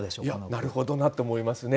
なるほどなって思いますね。